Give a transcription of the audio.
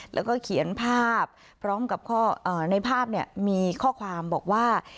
แล้วก็เขียนภาพพร้อมกับข้อเอ่อในภาพเนี่ยมีข้อความบอกว่า